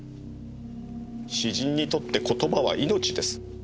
詩人にとって言葉は命です。